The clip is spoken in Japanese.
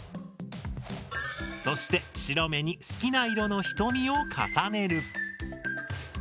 そして白目に好きな色の瞳を重ねる。